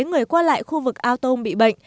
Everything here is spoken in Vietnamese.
người qua lại khu vực ao tôm bị bệnh